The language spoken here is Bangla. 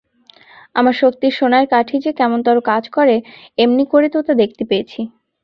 আমার শক্তির সোনার কাঠি যে কেমনতরো কাজ করে এমনি করে তো তা দেখতে পেয়েছি।